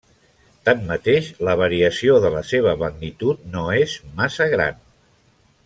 Tanmateix la variació de la seva magnitud no és massa gran.